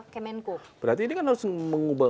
kemenko berarti ini kan harus mengubah